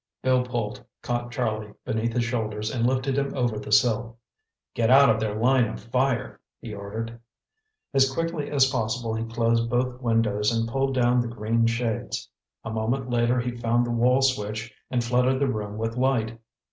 Bill pulled, caught Charlie beneath his shoulders and lifted him over the sill. "Get out of their line of fire," he ordered. As quickly as possible he closed both windows and pulled down the green shades. A moment later he found the wall switch and flooded the room with light.